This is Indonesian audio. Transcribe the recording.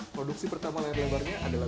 produksi pertama yang dianggarnya adalah